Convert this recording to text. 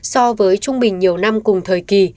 so với trung bình nhiều năm cùng thời kỳ